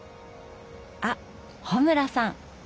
あっ穂村さん。